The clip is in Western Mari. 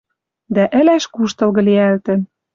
Дӓ ӹлӓш куштылгы лиӓлтӹн.